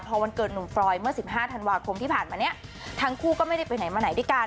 พอวันเกิดหนุ่มฟรอยเมื่อ๑๕ธันวาคมที่ผ่านมาเนี่ยทั้งคู่ก็ไม่ได้ไปไหนมาไหนด้วยกัน